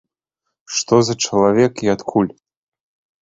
Што за чалавек і адкуль?